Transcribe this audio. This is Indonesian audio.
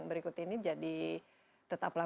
berikut ini jadi tetaplah